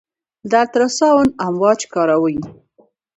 د الټراساونډ امواج کاروي.